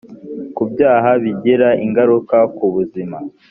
ku byaha bigira ingaruka ku buzima